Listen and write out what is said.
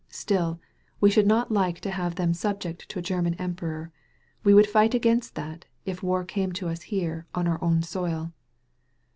Still, we should not like to have them subject to a German Emperor. We would fight agunst that, if the war came to us here on our own soil."